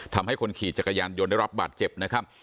ทำให้คนขี่จักรยานยนต์ได้รับบาดเจ็บนะครับ